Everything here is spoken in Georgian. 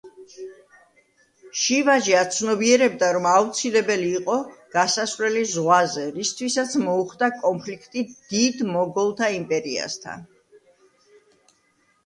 შივაჯი აცნობიერებდა, რომ აუცილებელი იყო გასასვლელი ზღვაზე, რისთვისაც მოუხდა კონფლიქტი დიდ მოგოლთა იმპერიასთან.